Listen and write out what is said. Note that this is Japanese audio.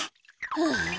はあ。